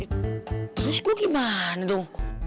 terus gue gimana dong